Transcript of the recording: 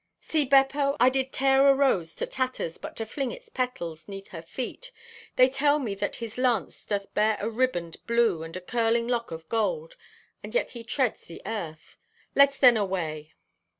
"See, Beppo, I did tear a rose to tatters but to fling its petals 'neath her feet. They tell me that his lance doth bear a ribband blue and a curling lock of gold—and yet he treads the earth! Let's then away!